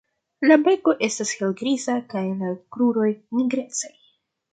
La beko estas helgriza kaj la kruroj nigrecaj.